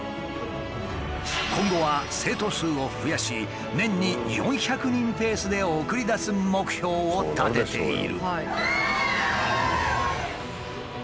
今後は生徒数を増やし年に４００人ペースで送り出す目標を立てている。